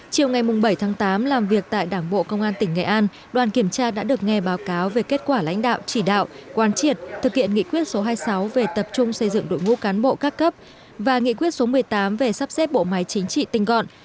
chiều ngày bảy tháng tám làm việc tại đảng bộ công an tỉnh nghệ an đoàn kiểm tra đã được nghe báo cáo về kết quả lãnh đạo chỉ đạo quan triệt thực hiện nghị quyết số hai mươi sáu về tập trung xây dựng đội ngũ cán bộ các cấp và nghị quyết số một mươi tám về sắp xếp bộ máy chính trị tinh gọn